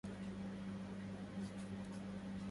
كان فاضل يعبث مع ليلى بالهاتف.